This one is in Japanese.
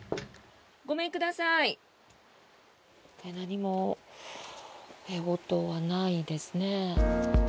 何も応答はないですね。